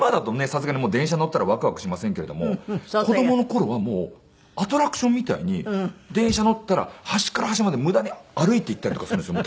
さすがにもう電車に乗ったらワクワクしませんけれども子供の頃はもうアトラクションみたいに電車に乗ったら端から端まで無駄に歩いて行ったりとかするんですよ